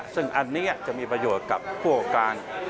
ซึ่งอันนี้จะมีประโยชน์กับผู้กลาง